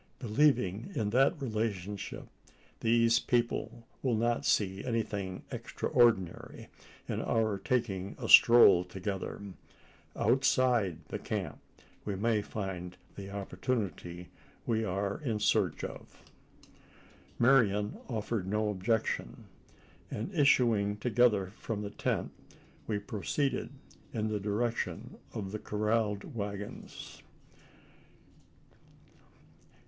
Believing in that relationship, these people will not see anything extraordinary in our taking a stroll together. Outside the camp, we may find the opportunity we are in search of?" Marian offered no objection; and, issuing together from the tent, we proceeded in the direction of the corralled waggons.